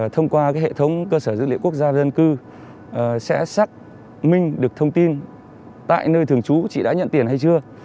thông qua hệ thống cơ sở dữ liệu quốc gia dân cư sẽ xác minh được thông tin tại nơi thường trú chị đã nhận tiền hay chưa